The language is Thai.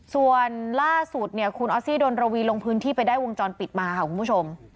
ส่วนล่าสุดเนี่ยคุณออสซี่ดนรวีลงพื้นที่ไปได้วงจรปิดมาค่ะคุณผู้ชม